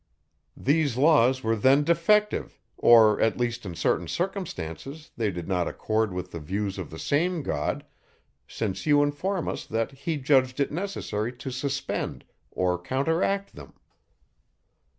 These laws were then defective, or at least in certain circumstances they did not accord with the views of the same God, since you inform us that he judged it necessary to suspend or counteract them.